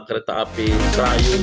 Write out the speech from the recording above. kereta api serayung